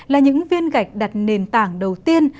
là những viên gạch đặt nền tảng đầu tiên